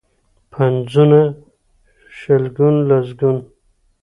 پنځونه، شلګون ، لسګون.